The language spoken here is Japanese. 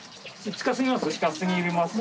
近すぎますね。